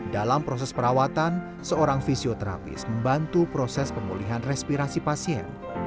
dalam proses perawatan seorang fisioterapis membantu proses pemulihan respirasi pasien